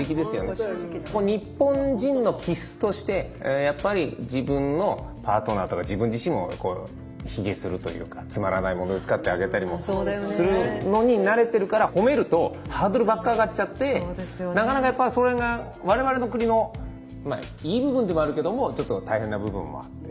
日本人の気質としてやっぱり自分のパートナーとか自分自身も卑下するというか「つまらないものですから」ってあげたりもするのに慣れてるから褒めるとハードルばっか上がっちゃってなかなかやっぱりそれが我々の国のいい部分でもあるけどもちょっと大変な部分もあって。